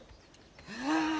はあ！